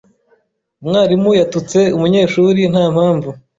Umwarimu yatutse umunyeshuri nta mpamvu.